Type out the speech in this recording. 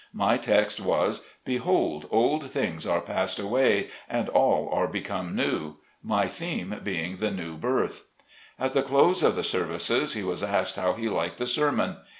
My text was, "Behold, old things are passed away and all are become new" — my theme being the new birth. At the close of the services he was asked how he liked the sermon.